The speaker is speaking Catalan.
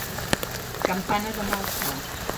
Campana de mal so.